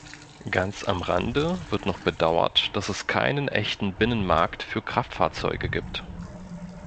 Ganz am Rande wird noch bedauert, dass es keinen echten Binnenmarkt für Kraftfahrzeuge gibt.